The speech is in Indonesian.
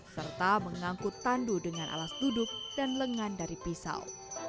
serta mengangkut tandu dengan alas duduk dan lengan dari pisau